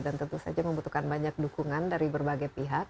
dan yang sangat membutuhkan banyak dukungan dari berbagai pihak